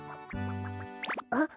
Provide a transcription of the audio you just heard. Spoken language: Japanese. あっ！